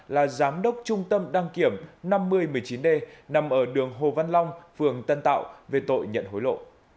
là giám đốc trung tâm đăng kiểm năm mươi một mươi chín d nằm ở đường hồ văn long phường tân tạo về tội nhận hối lộ